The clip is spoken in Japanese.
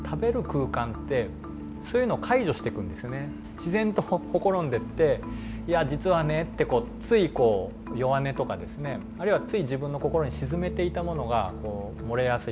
自然とほころんでって「いや実はね」ってついこう弱音とかですねあるいはつい自分の心に沈めていたものが漏れやすい。